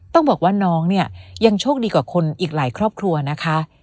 ต้องบอกว่าน้องเนี่ยยังโชคดีกว่าคนอีกหลายครอบครัวนะคะ